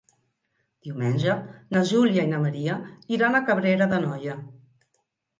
Diumenge na Júlia i na Maria iran a Cabrera d'Anoia.